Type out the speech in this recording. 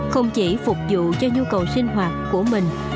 không chỉ phục vụ cho nhu cầu sinh hoạt của mình